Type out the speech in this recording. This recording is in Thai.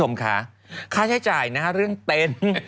ไม่ใช่จ่ายนะเรื่องเต็น